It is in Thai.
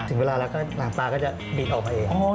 ถึงเวลาแล้วก็หลังตาก็จะบิดออกมาเอง